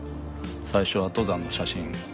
最初は登山の写真